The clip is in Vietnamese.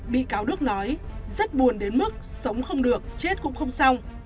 bị cáo đức nói rất buồn đến mức sống không được chết cũng không xong